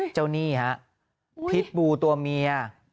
นี่ฮะพิษบูตัวเมีย